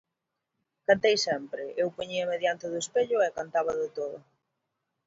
Cantei sempre, eu poñíame diante do espello e cantaba de todo.